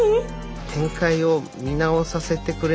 展開を見直させてくれないかな？